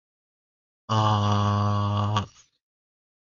He had a visiting position at Princeton University.